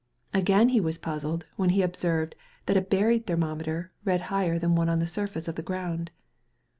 Again he was puzzled when he observed that a buried thermometer read higher than one on the surface of the ground.